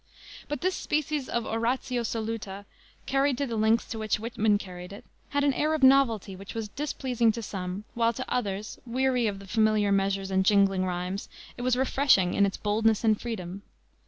But this species of oratio soluta, carried to the lengths to which Whitman carried it, had an air of novelty which was displeasing to some, while to others, weary of familiar measures and jingling rhymes, it was refreshing in its boldness and freedom.